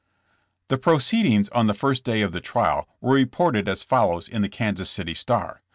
'' The proceedings on the first day of the trial were reported as follows in the Kansas City Star.